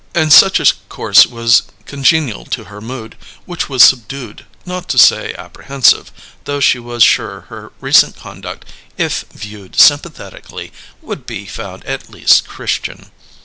And such a course was congenial to her mood, which was subdued, not to say apprehensive; though she was sure her recent conduct, if viewed sympathetically, would be found at least Christian.